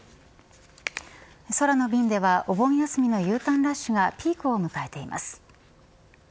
空の便ではお盆休みのＵターンラッシュがピークを迎えています。